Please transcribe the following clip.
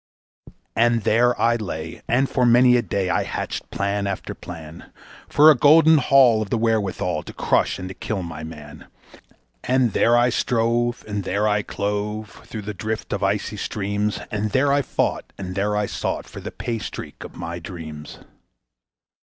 And there I lay, and for many a day I hatched plan after plan, For a golden haul of the wherewithal to crush and to kill my man; And there I strove, and there I clove through the drift of icy streams; And there I fought, and there I sought for the pay streak of my dreams.